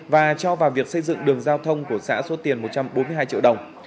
và cho vào việc xây dựng đường giao thông của xã số tiền một trăm bốn mươi hai triệu đồng